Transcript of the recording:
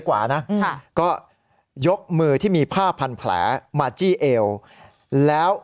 ก็ยกมือที่คล่าพันแผลจี้แอวมาพูดขอเงิน